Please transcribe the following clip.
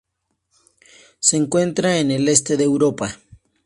Se encuentra en el Este de Europa.